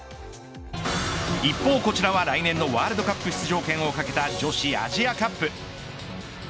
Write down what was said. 一方こちらは来年のワールドカップ出場権を懸けた女子アジアカップ。